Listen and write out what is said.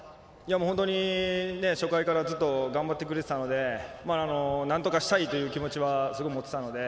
本当に初回から頑張ってくれてたのでなんとかしたいという気持ちはすごいもっていたので。